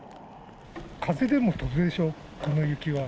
風でも飛ぶでしょ、この雪は。